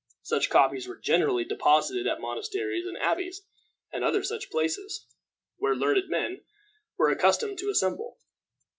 Such copies were generally deposited at monasteries, and abbeys, and other such places, where learned men were accustomed to assemble.